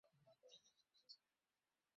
Antoni currently resides in New York City.